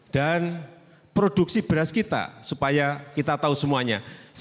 dan produksi beras kita supaya kita tahu semuanya